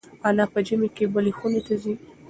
انا په ژمي کې بلې خونې ته ځي.